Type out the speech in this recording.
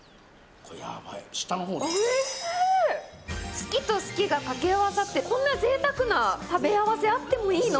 好きと好きが掛け合わさって、こんな贅沢な食べ合わせ、あってもいいの？